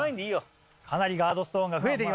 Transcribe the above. かなりガードストーンが増えて来ました。